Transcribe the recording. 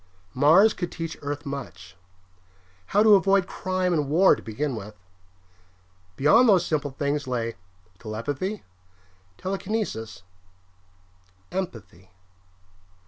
Mars could teach Earth much. How to avoid crime and war to begin with. Beyond those simple things lay telepathy, telekinesis, empathy....